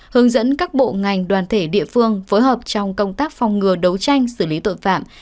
hướng dẫn các bộ ngành đoàn thể địa phương phối hợp trong công tác phòng ngừa đấu tranh xử lý tội phạm